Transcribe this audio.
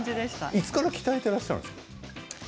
いつから鍛えているんですか？